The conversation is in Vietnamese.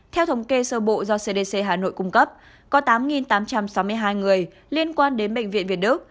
theo thống kê sơ bộ do cdc hà nội cung cấp có tám tám trăm sáu mươi hai người liên quan đến bệnh viện việt đức